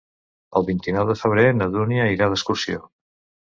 El vint-i-nou de febrer na Dúnia irà d'excursió.